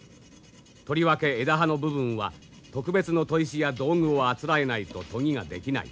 とりわけ枝刃の部分は特別の砥石や道具をあつらえないと研ぎができない。